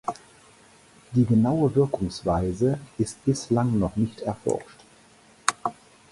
Die genaue Wirkungsweise ist bislang noch nicht erforscht.